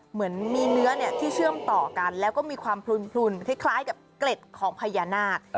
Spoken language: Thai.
เหมือนมีเนื้อที่เชื่อมต่อกันแล้วก็มีความพลุนคล้ายกับเกล็ดของพญานาค